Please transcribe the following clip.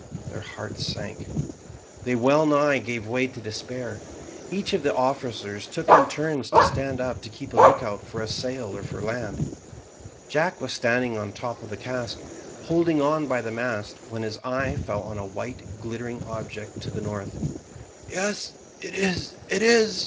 Their hearts sank. They wellnigh gave way to despair. Each of the officers took it in turns to stand up to keep a lookout for a sail or for land. Jack was standing on the top of the cask, holding on by the mast, when his eye fell on a white glittering object to the northward. "Yes, it is! it is!"